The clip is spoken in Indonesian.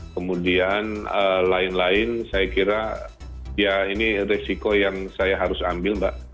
kemudian lain lain saya kira ya ini resiko yang saya harus ambil mbak